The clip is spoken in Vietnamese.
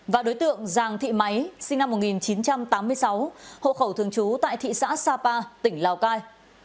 và đối tượng giàng thị máy sinh năm một nghìn chín trăm tám mươi sáu hộ khẩu thường trú tại thị xã sapa tỉnh lào cai